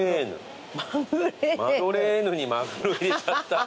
マドレーヌにマグロ入れちゃった。